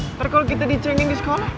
ntar kalau kita di training di sekolah